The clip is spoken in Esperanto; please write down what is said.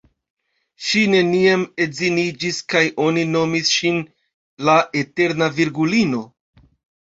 Ŝi neniam edziniĝis, kaj oni nomis ŝin "la Eterna Virgulino".